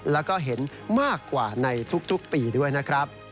แล้วก็เห็นมากกว่าในทุกปีด้วยนะครับ